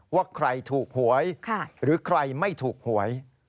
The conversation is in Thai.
ว่าใครถูกหวยหรือใครไม่ถูกหวย